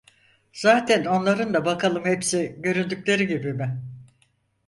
Zaten onların da bakalım hepsi göründükleri gibi mi?